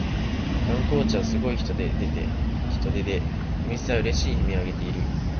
観光地はすごい人出でお店はうれしい悲鳴をあげている